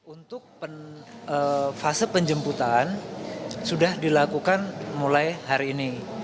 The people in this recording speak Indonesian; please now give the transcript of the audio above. untuk fase penjemputan sudah dilakukan mulai hari ini